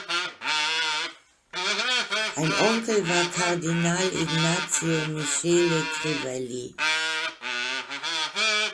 Ein Onkel war Kardinal Ignazio Michele Crivelli.